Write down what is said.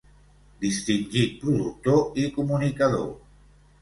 Distingit productor i comunicador.